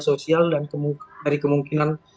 sosial dan dari kemungkinan